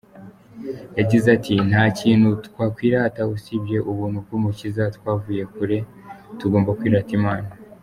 Yagize ati "Nta kintu twakwirata usibye ubuntu bw’umukiza, twavuye kure, tugomba kwirata Imana.